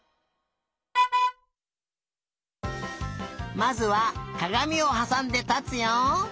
まずはかがみをはさんでたつよ。